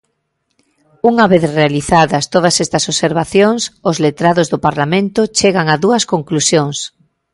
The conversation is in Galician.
Unha vez realizadas todas estas observacións, os letrados do Parlamento chegan a dúas conclusións.